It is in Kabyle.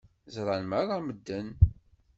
Ẓṛan meṛṛa medden.